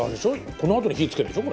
「このあとに火つけるんでしょ？